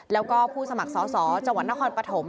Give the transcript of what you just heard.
แล้วก็ผู้สมัครสอสสจนครปฐม